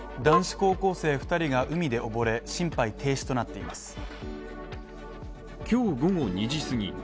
男子高校生２人が海で溺れ心肺停止となっています。